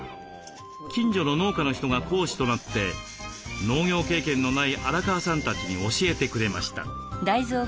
近所の農家の人が講師となって農業経験のない荒川さんたちに教えてくれました。